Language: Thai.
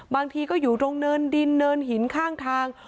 บางทีก็อยู่ตรงเนินดินเนินหินข้างทาง